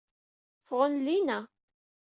Ffɣen llinna.